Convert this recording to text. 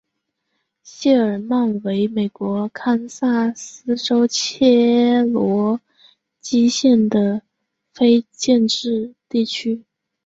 谢尔曼为美国堪萨斯州切罗基县的非建制地区。